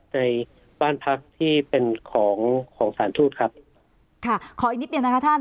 ในบ้านพักที่เป็นของของสารทูตครับค่ะขออีกนิดเดียวนะคะท่าน